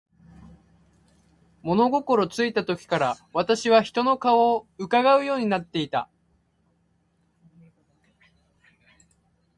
物心ついた時から、私は人の顔色を窺うようになっていた。